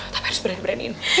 tapi harus berani beraniin